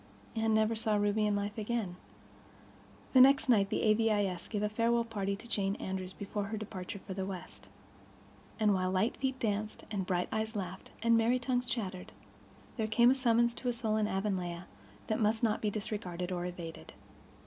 Anne never saw Ruby in life again. The next night the A.V.I.S. gave a farewell party to Jane Andrews before her departure for the West. And, while light feet danced and bright eyes laughed and merry tongues chattered, there came a summons to a soul in Avonlea that might not be disregarded or evaded.